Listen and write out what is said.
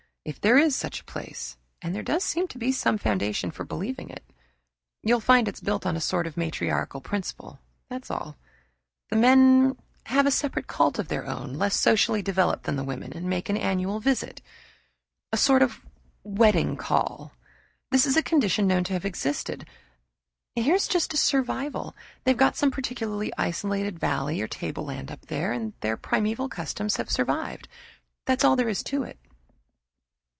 "If there is such a place and there does seem some foundation for believing it you'll find it's built on a sort of matriarchal principle, that's all. The men have a separate cult of their own, less socially developed than the women, and make them an annual visit a sort of wedding call. This is a condition known to have existed here's just a survival. They've got some peculiarly isolated valley or tableland up there, and their primeval customs have survived. That's all there is to it."